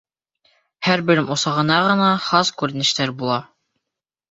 Һәр белем усағына ғына хас күренештәр була.